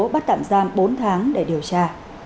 bắt tạm giam bốn tháng để điều tra